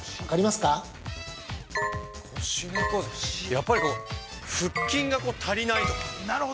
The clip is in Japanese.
やっぱりこう腹筋が足りないと。